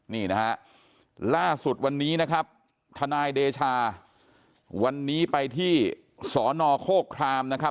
นี่นะฮะล่าสุดวันนี้นะครับทนายเดชาวันนี้ไปที่สนโฆครามนะครับ